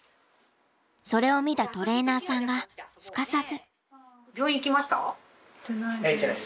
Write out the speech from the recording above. それを見たトレーナーさんがすかさず。